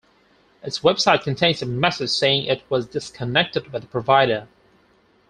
Its website contains a message saying it was disconnected by the provider.